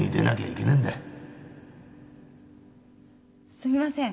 すみません